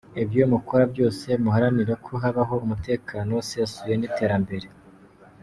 Ibyo mukora byose muharanire ko habaho umutekano usesuye n’iterambere.